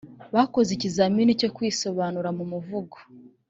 bakoze ikizamini cyo kwisobanura mu mvugo